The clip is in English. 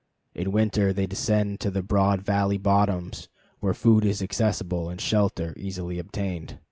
In winter they descend to the broad valley bottoms, where food is accessible and shelter easily obtained.